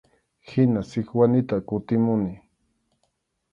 Hina Sikwanita kutimuni.